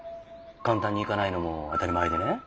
簡単にいかないのも当たり前でね。